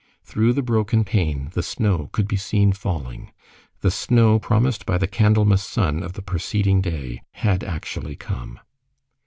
Through the broken pane the snow could be seen falling. The snow promised by the Candlemas sun of the preceding day had actually come.